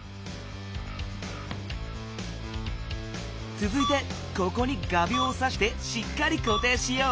つづいてここに画びょうをさしてしっかりこていしよう。